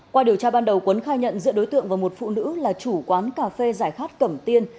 qua điều tra ban đầu quấn khai nhận giữa đối tượng và một phụ nữ là chủ quán cà phê giải khát cẩm tiên